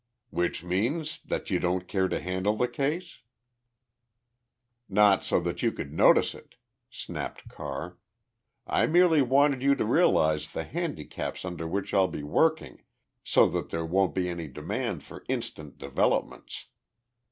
"Which means that you don't care to handle the case?" "Not so that you could notice it!" snapped Carr. "I merely wanted you to realize the handicaps under which I'll be working, so that there won't be any demand for instant developments.